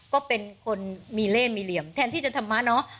ก็เป็นคนมีเล่มีเหลี่ยมแทนที่จะธรรมะเนาะ